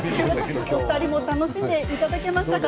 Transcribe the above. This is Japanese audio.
お二人も楽しんでいただけましたか？